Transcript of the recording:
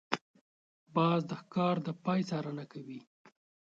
باز د ښکار د پای څارنه کوي